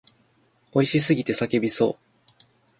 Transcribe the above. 美味しすぎて叫びそう。